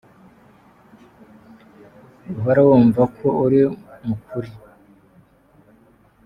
Guhora wumva ko uri mu kuri.